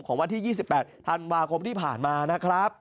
วันที่๒๘ธันวาคมที่ผ่านมานะครับ